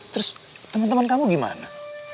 terus teman teman kamu gimana